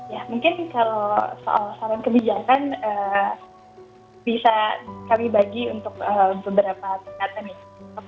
ya mungkin kalau soal saran kebijakan bisa kami bagi untuk beberapa tingkatan ya